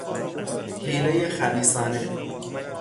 حیلهی خبیثانه